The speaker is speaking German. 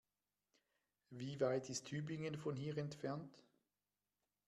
Wie weit ist Tübingen von hier entfernt?